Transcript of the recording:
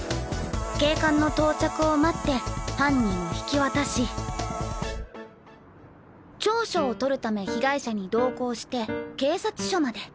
警官の到着を待って犯人を引き渡し調書を取るため被害者に同行して警察署まで。